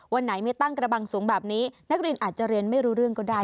วันไหนไม่ตั้งกระบังสูงแบบนี้นักเรียนอาจจะเรียนไม่รู้เรื่องก็ได้